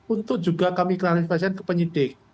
untuk juga kami klarifikasi ke penyidik